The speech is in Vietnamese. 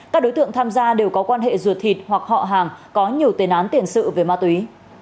các đối tượng tham gia đều có quan hệ ruột thịt hoặc họ hàng có nhiều tên án tiền sự về ma túy